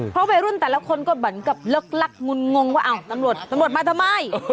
เพราะว่ารุ่นแต่ละคนก็เหมือนกับเลิกลักษณ์งุนงงว่านำรวจมาทำไม